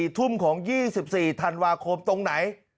๔ทุ่มของ๒๔ธันวาคมตรงไหน